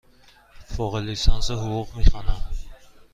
فوق لیسانس حقوق می خوانم.